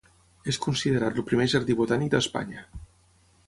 És considerat el primer jardí botànic d'Espanya.